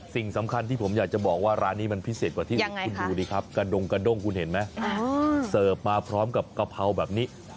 สิ่งสำคัญที่ผมอยากจะบอกว่าร้านนี้มันพิเศษกว่าที่คุณดูดิครับกระดงกระด้งคุณเห็นไหมเสิร์ฟมาพร้อมกับกะเพราแบบนี้